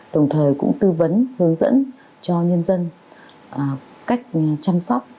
đồng thời cũng tư vấn hướng dẫn cho nhân dân cách chăm sóc